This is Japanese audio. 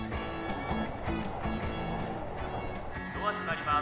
「ドア閉まります。